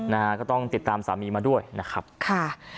นะฮะก็ต้องติดตามสามีมาด้วยนะครับค่ะ